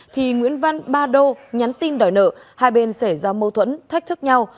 thì nguyễn văn ba đô nhắn tin đòi nợ hai bên xảy ra mâu thuẫn thách thức nhau